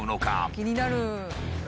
気になる！